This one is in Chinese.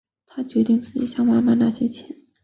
她决定向自己妈妈拿些钱